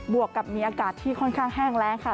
วกกับมีอากาศที่ค่อนข้างแห้งแรงค่ะ